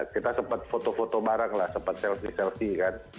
kita sempat foto foto bareng lah sempat selfie selfie kan